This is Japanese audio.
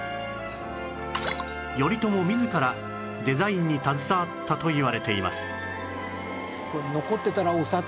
頼朝自らデザインに携わったといわれています